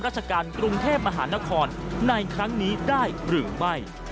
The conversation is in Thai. ราชการกรุงเทพมหานครในครั้งนี้ได้หรือไม่